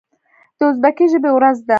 د ازبکي ژبې ورځ ده.